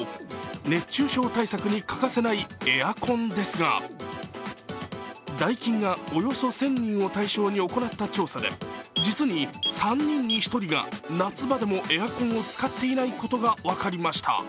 熱中症対策に欠かせないエアコンですがダイキンがおよそ１０００人を対象に行った調査で実に３人に１人が夏場でもエアコンを使っていないことが分かりました。